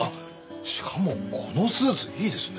しかもこのスーツいいですね。